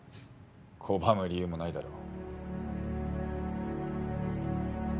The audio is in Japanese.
拒む理由もないだろう。